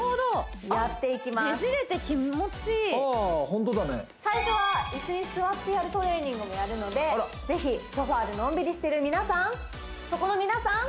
ホントだね最初はイスに座ってやるトレーニングもやるのでぜひソファーでのんびりしてる皆さんそこの皆さん！